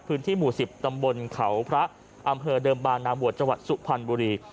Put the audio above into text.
พื้นที่หมู่๑๐ตำบลเขาพระอำเภอเดิมบางนบจสุพันธ์บุรี